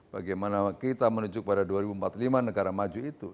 bagaimana kita menuju kepada dua ribu empat puluh lima negara maju itu